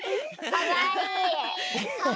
かわいい！